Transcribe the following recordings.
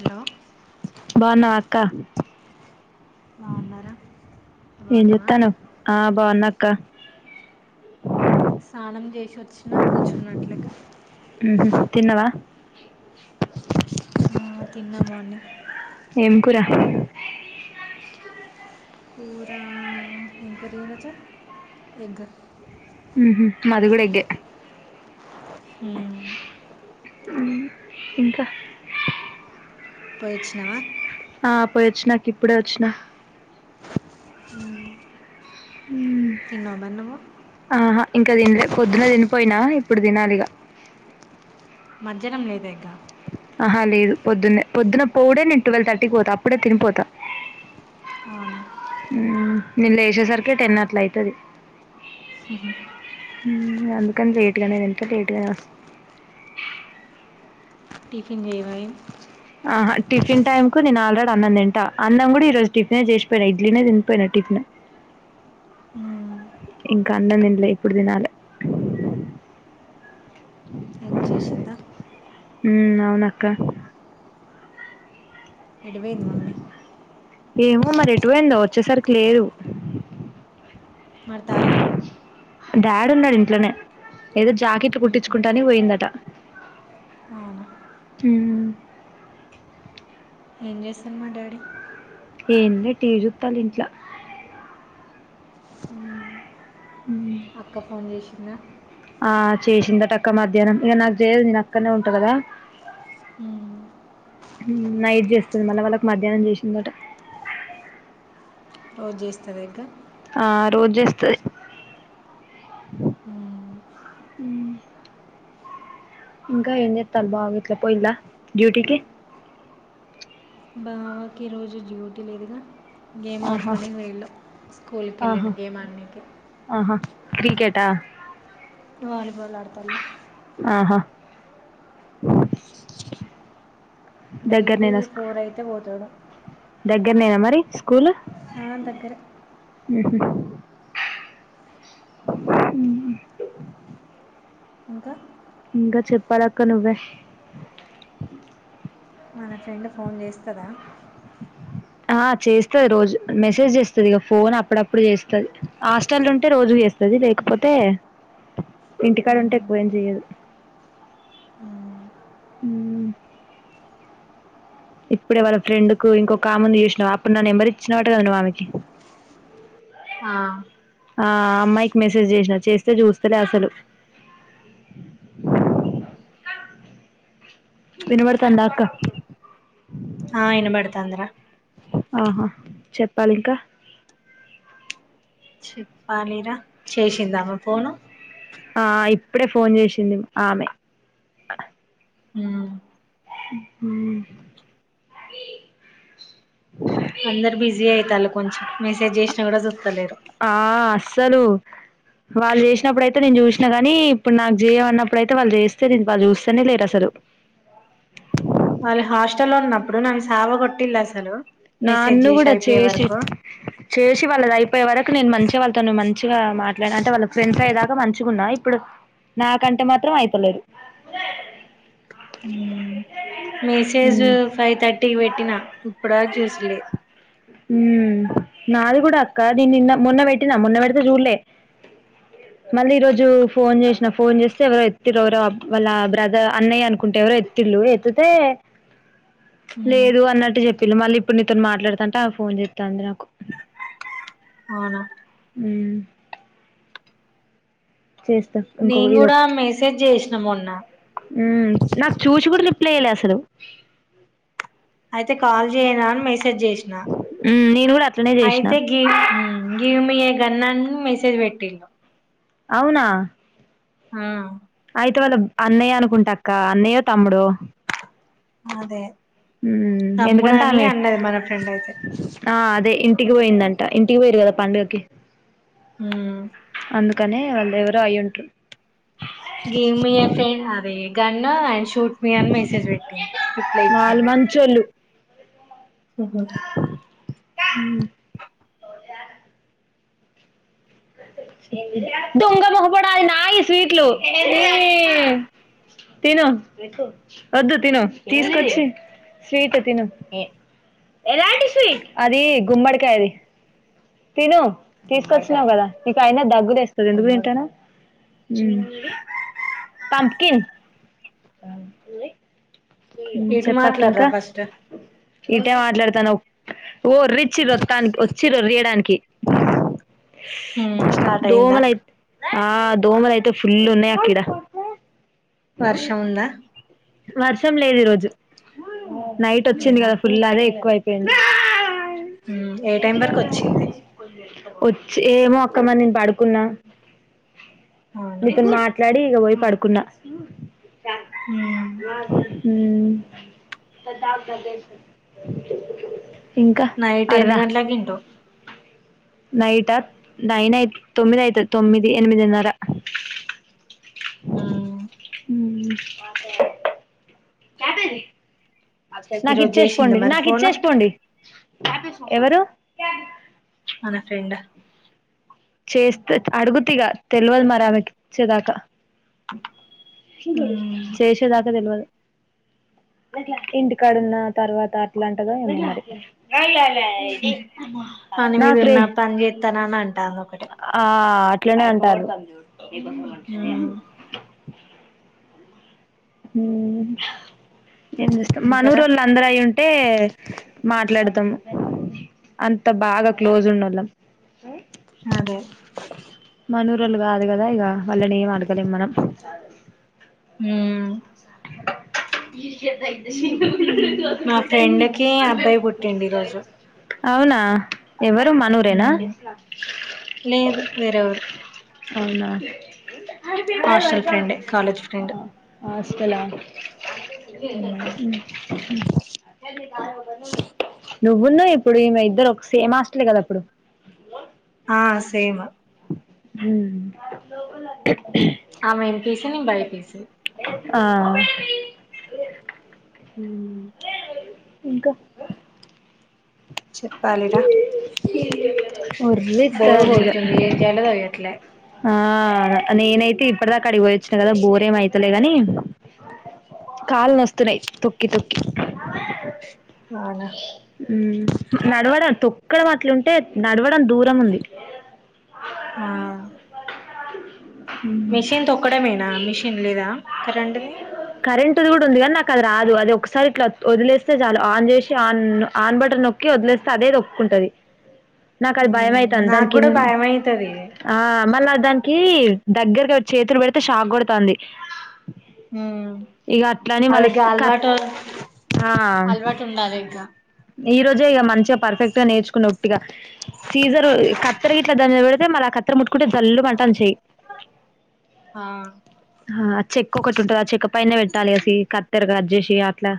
Hello బాగునావా అక్క బాగున్నారా బాగున్నావా ఆ బావున్నా అక్క ఆ స్నానం చేసివొచ్చినా కూర్చున్న అట్లాగ తిన్నవా ఆ తిన్న మార్నింగ్ ఏం కూర కూరా ఎగ్ కర్రీ వచ్చా ఎగ్ ఉమ్ మాది కూడా ఎగ్ ఏ ఉమ్ ఇంకా పోయిచ్చినావా ఆ పోయి వచ్చిన అక్క ఇప్పుడే వచ్చిన తిన్నవా మరి నువ్వు ఆహా ఇంకా తినలే పొద్దున తినిపోయినా ఇప్పుడు తినాలిగా మధ్యాహ్నం లేదా ఇగా ఆహ లేదు పొద్దున్నే పొద్దున్నప్పుడే నేను టువెల్ థర్టీకి పోతా అప్పుడే తినిపోత అవునా నేను లేసేసరికి టెన్ అట్లా ఐతది. మ్మ్. అందుకని లేట్గానే తింటా లేట్గానే వస్తా టిఫిన్ చేయవ్ ఆహా టిఫిన్ టైమ్ కు నేను ఆల్రెడీ అన్నం తింటా అన్నం కూడా ఈ రోజు టిఫిన్ చేసిపోయినా ఇడ్లీనే తినిపోయినా టిఫిన్ మ్మ్. ఇంకా అన్నం తినలే ఇప్పుడు తినాలే [inaudible] ఏం చేసిందా ఉమ్ అవునక్క ఎటు పోంది మమ్మి ఏమో మరి ఎటుపోయిందో వచ్చేసరికి లేదు. మరి తాళం డాడీ ఉన్నాడు ఇంట్లోనే ఏదో జాకిట్ మ్మ్. కుట్టించుకుంటాని పోయిందట అవునా మ్మ్ ఏం జేస్సున్నాడు డాడీ ఏం లే టివి జూత్తాండు ఇంట్లొ హ్మ్ అక్క ఫోన్ చేసిందా ఆ చేసిందట అక్క మధ్యాహ్నం ఇగ నాకు జేయదు నేను అక్కన్నే ఉంటా కదా మ్మ్. మ్మ్ నైట్ చేస్తది. మళ్ళా వాళ్ళకి మధ్యాహ్నం జేసిందట. రోజు చేస్తదా ఇంక ఆ రోజు చేస్తది మ్మ్. ఇంకా ఏమ్ జేతండ్లు బావ గిట్ల పోయిల్లా డ్యూటీకి, బావ కి ఈ రోజు డ్యూటీ లేదుగా గేమ్ ఆహా ఆడుకొనికి వోయిళ్ళు స్కూల్కి ఆహా వెళ్ళిండు గేమ్ ఆడనికి ఆహా క్రికెటా వాలిబాల్ ఆడతల్ల ఆహా డైలీ దగ్గరనేనా ఫోర్ అయితే పోతాడు. దగ్గరనేనా మరి స్కూల్ ఆ దగ్గరే ఉమ్ హు ఉమ్ ఇంకా ఇంకా చెప్పాలక్క నువ్వే మన ఫ్రెండు ఫోన్ చేస్తదా ఆ చేస్తది రోజు మెసేజ్ చేస్తది. ఇగ ఫోన్ అప్పుడప్పుడు చేస్తది హాస్టల్ ఉంటే రోజు చేస్తది లేకపోతే ఇంటికాడ ఉంటే మ్మ్. ఎక్కువేం చేయదు. మ్మ్. ఇప్పుడే వాళ్ళ ఫ్రెండ్ కు ఇంకొక ఆమె ఉంది చూసినావ, అప్పుడు నా నెంబర్ ఇచ్చినవాట కదా ఆమెకి ఆ, ఆ అమ్మాయికి మెసేజ్ చేసినా చేస్తే చూస్తలే అసలు. వినవడుతందా అక్క హా వినబడుతంది రా ఆహా చెప్పాలి ఇంకా చెప్పాలిరా చేేషిందామె ఫోను ఆ ఇప్పుడే ఫోన్ చేసింది ఆమె మ్మ్. హ్మ్ అందరు బిజీ అయితాల్లు కొంచెం మెసేజ్ చేసినా కూడా జూత్తలేరు ఆ అస్సలు వాళ్ళు చేసినప్పుడు అయితే నేను చూసినా గాని ఇప్పుడు నాకు జేయమన్నప్పుడైతే వాళ్ళు జేస్తే వాళ్ళు చూస్తనే లేరు అసలు. వాళ్ళ హాస్టెల్లో ఉన్నప్పుడు నన్ సావ కొట్టిల్ల్ అసలు మెసేజ్ నాన్ను కూడా అయిపోయే చేసి వరకు చేసి వాళ్ళది అయిపోయే వరక్ నేను మంచిగా వాళ్ళతో మంచిగా మాట్లాడిన అంటే వాళ్ళ ఫ్రెండ్స్ అయ్యేదాకా మంచిగా ఉన్నా, ఇప్పుడు నాకంటే మాత్రం అయితలేదు. మెస్సేజ్ ఉమ్ ఫైవ్ థర్టీకి పెట్టినా ఇప్పుడు వరకు జూస్ లే మ్మ్ నాది కూడా అక్క దీ నిన్న మొన్న పెట్టినా మొన్న పెడితే చూడలే, మళ్ళీ ఈరోజు ఫోన్ చేసిన ఫోన్ చేస్తే ఎవరో ఎత్తిరు ఎవరో వాళ్ళ బ్రదర్ అన్నయ్య అనుకుంటే ఎవరో ఎత్తిళ్ళు ఎత్తుతే, ఉమ్ లేదు అన్నట్టు జెప్ మళ్ళీ ఇప్పుడు నీతోను మాట్లాడుతంటే ఆమె ఫోన్ జే జేత్తాంది నాకు అవునా మ్మ్ చేస్తా ఇంకో నేను కూడా మెసేజ్ జేసినా మొన్న మ్మ్ నాకు చూచి కూడా రిప్లే ఇయ్యలే అసలు తే కాల్ జేయనా అని మెసే జ్ జేసినా ఉమ్ నేను కూడా అట్లనే చేసిన అయితే గివ్ గివ్ మి ఎ కన్నా అన్ మెస్సేజ్ వెట్టిండు అవున ఆ అయితే వాళ్ళు అన్నయ్య అనుకుంటక్క అన్నయ్యో తమ్ముడో అదే ఉమ్ తమ్ముడు ఎందుకంటే అని ఆమె అన్నది మన ఫ్రెండ్ అయితే ఆ అదే ఇంటికి పోయిందంట ఇంటికి పోయరు కద పండక్కి హమ్ అందుకనే వాళ్ళు ఎవరు అయ్యుందృ కన్నా ఐష్ తూట్ మీ అని మెసేజ్ వెట్టింది రిప్లై వాళ్ళు ఇచ్చింది మంచోళ్ళు మ్మ్ హ్మ్ మ్మ్ దొంగముఖప అది నాయి స్వీట్లు తిను వద్దు తను తీసుకొచ్చి స్వీట్ తను ఎలాంటి స్వీట్ అది గుమ్మడికాయది తిను తీసుకొచ్చినవ్ కదా నీక అయినా దగ్గురేస్తంది ఎందుకు తింటన్నావ్ పంప్కిన్ ఇటు చెప్పక్క మాట్లాడరా ఇంకా ఫస్ట్ ఇటే మాట్లాడతాను ఓ ర్రిచ్చిరత్తానికి వచ్చిర రయడానికి హమ్ స్టార్ట్ అయ్యంద ఆ దోమల అయితే ఫుల్ ఉన్నాయి అక్కిడ వర్షం ఉంద వర్షం లేదు ఈ రోజు నైట్ వచ్చింది లేదా గద ఫుల్ అదే ఎక్కువై ఎ ఉమ్ ఏ ఎంత ఉంట టైం వరకు వచ్చింది [unintelligible] వచ్చి ఏమో అక్క మరి నేను పడుకున్న అవును మీతో మాట్లాడి ఇగ పోయి పడుకున్న హమ్ హమ్ ద్ద నైట్ ఎన్ని గంటలకి తింటవ్ నైట్ ఆ నైన్ అయి తొమ్మిది అయితు తొమ్మిది ఎనిమిదిన్నార ఆ [unintelligible] కాబ నాక్ ఈరోజు చేసిందా ఇచ్చేసపోండి మరి నాక్ ఫోను ఇచ్చేస్పోండి ఎవరు అదే ఫ్రెండా చేస్తే అడుగుతిగా తెల్వదు మరి ఆమెకి ఇచ్చేదాకా ఉమ్ చేేషేదాక తెల్వదు ఇంటికాడున్నా తర్వాత అట్లంటదో ఏమో మరి పని నాకు రే మీదున్నా పని జేత్తానాన అంటాంది ఒకటే ఆ అట్లనే అంటారు ఉమ్ హమ్ ఎం ఇంకారా మనురోళ్ళు అందరు అయ్యి ఉం అంటే మాట్లాడతాం అంత బాగా క్లోజ్ వునోలాం టె అదే మనూ రోళ్ళు కాదు కదా ఇక వాళ్ళని ఏం అడగలేం మనం హమ్ ఇకద ఇతే మా ఫ్రెండ్ కి అబ్బాయి పుట్టిండు ఈ రోజు అవునా ఎవ్వరు మనూరేనా ఉమ్ లేదు వేరేవరు అవునా హాస్టల్ ఫ్రెండే కాలేజ్ ఫ్రెండ్ ఎలా ఉమ్ హ్మ్ నువ్వున్నూ ఇప్పుడు ఈమె ఇద్దరు ఒక సేమ్ హస్టలే కదా ఇప్పుడు ఆ సేమ్ హ్మ్ ఆమె ఏంపిసి నేను బైపిసి ఆ హ్మ్ ఇంకా చెప్పాలిరా ఒర్రి బోరు తల్లిగా కొడుతుంది ఏం చేయాలో తెలియట్లే నేనైతే ఇప్పటి దాకా అడికిపోయి వచ్చినా కదా బోర ఏం అయతలే గానీ కాళ్ళు నొస్తున్నాయి తొక్కి తొక్కి అవునా హ్మ్ నడవడం తొక్కడం అట్ల ఉంటే నడవడం దూరం ఉంది ఆ మిషన్ తొక్కడమేనా మిషన్ లేదా కరెంట్ది కరెంట్ కూడా ఉంది కానీ నాకు కది రాదు అది ఒకసారి ఇట్లా వదిలేస్తే చాలు ఆన్ చేసి ఆన్ ఆన్ బటన్ నొక్కి వదిలేస్తే అదే తోక్కుకుంటది నాకు అది భయం అయతుంది దాని నాకు కింద కూడా భయమైతది ఆ మళ్ళ దానికి దగ్గరగా చేతులు పెడితే షాక్ కొడతాంది హ్మ్ ఇగ అట్లని మళ్ళ అది గా కట్ అలవాటు అలవాటు ఉండాలి ఇకా ఈరోజే ఇగ మంచిగా పర్ఫెక్ట్గా నేర్చు ఉట్టిగా సీజర్ కత్తెర ఇట్ల దాని మీద పెడితే మల్ ఆ కత్తెర ముట్టుకుంటే జల్ మంటాంది చెయి ఆ హా చెక్ ఒకటుంటది ఆ చెక్ పైన పెట్టాలి ఆ సి కత్తర క చేసి అట్లా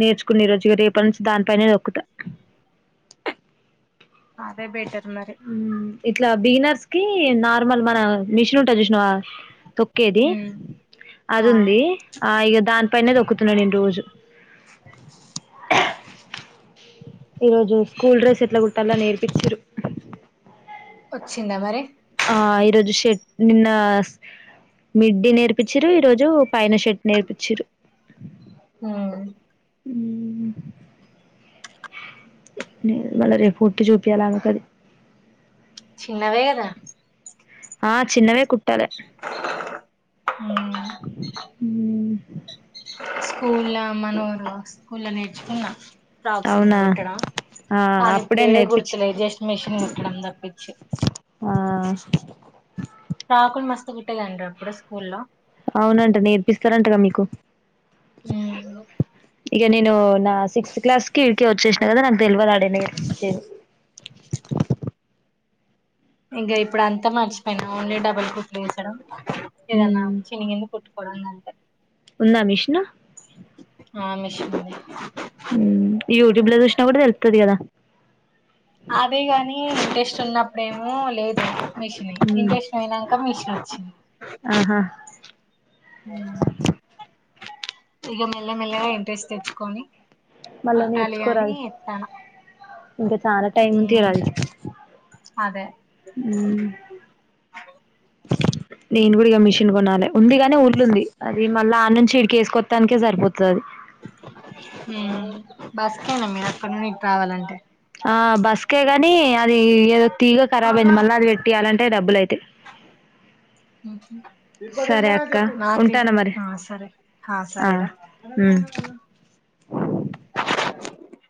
నేర్చుకునే రోజుగా రేప నుంచి దా పైనే తోక్కుత అదే బెటర్ మరి ఇట్లా బిగినర్స్కి నార్మల్ మన మిషన్ ఉంటది చూసినవా తొక్కేది ఉమ్ అది ఆ ఉంది. ఆ ఇగ దానిపైనే తొక్కుతున్న నేను రోజు ఈ రోజు స్కూల్ డ్రెస్ ఎట్ల కుట్టాలో నేర్పించిన్రు. వచ్చిందా మరి నిన్నా మిడ్డీ నేర్పిచిరు ఈరోజు పైన షర్ట్ నేర్పిచిన్రు హ్మ్ మళ్ళ రేపు కుట్టి చూపియాలె ఆమెకది. చిన్నవే కదా ఆ చిన్నవే కుట్ ట్టలే స్కూల్ల మనోర్ స్కూల్ల నేర్చుకున్న ఫ్రాక్స్ గిన అవునా కుట్టడం ఆ కానీ ఇప్పుడు అప్పుడే ఏ నేర్పించిరు గుర్తులే జస్ట్ మెషిన్ కుట్టడం తప్పించి ఆ ఫ్రాకులు మస్తు కుట్టేదాన్నిరా అప్పుడు స్కూల్లో అవునంట నేర్పిస్తారంటగా మీకు ఉమ్ ఇగ నేను నా సిక్స్త్ క్లాస్ కీ ఈడికే వచ్చేసినా కదా నాక్ తెల్వది [unintelligible] ఇంకా ఇప్పుడు అంతా మర్చిపోయిన ఓన్లీ డబుల్ కుట్లు ఏసడం ఏదన్న చినిగింది కుట్ కోవడం గంతే ఉందా మిషను ఆ మిషన్ ఉంది యూట్యూబ్లో చూసినా గుడా తెలుత్తది కదా అదే గని ఇంట్రెస్ట్ ఉన్నప్పుడేమో లేదు మిషిని ఇంట్రెస్ట్ పోయినంకా మిషన్ వచ్చిం ఆహా ఇగ మెల్ల మెల్లగా ఇంట్రెస్ట్ తెచ్చుకొని మళ్ళా కుట్టాలి అని నేర్చుకోరాదు. ఎత్తాను ఇంకా చాలా టైం ఉమ్, తీరాలి అదే హ్మ్ నేను కూడా ఇక మిషన్ కొనాలి ఉంది. కాగాని ఊర్లు ఉంది. అది మళ్ళీ ఆన్నంచి ఇడికి వేసుకోత్తానికే సరిపోతది. అది హ్మ్ బస్కేనా మీరు అక్కడ నుండి [unintelligible] రావాలంటే ఆ బస్కే గాని అది ఏదో తీగ కరాబ్ అయింది. మళ్ళా అది పెట్టియాలన్ అంటే డబ్బులయితే హుహ్మ్ నాకే ఉంటాను మరి ఆ సరే ఆ సరేర ఉమ్.